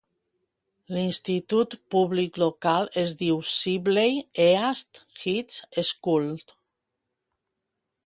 L'institut públic local es diu Sibley East High School.